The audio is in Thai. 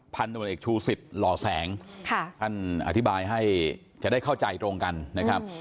พันธบทเอกชูสิทธิ์หล่อแสงท่านอธิบายให้จะได้เข้าใจตรงกันนะครับ